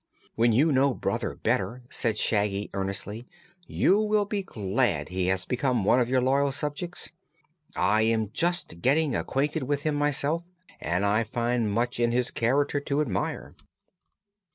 "When you know Brother better," said Shaggy earnestly, "you will be glad he has become one of your loyal subjects. I am just getting acquainted with him myself and I find much in his character to admire."